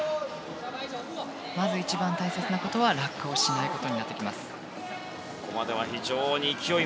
一番大切なことは落下しないことになってきます。